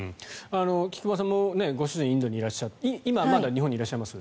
菊間さんもご主人がインドにいらっしゃって今はまだ日本にいらっしゃいます？